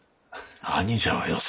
兄者はよせ。